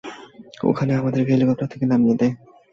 ওইখানে আমাদেরকে হেলিকপ্টার থেকে নামিয়ে দেয়।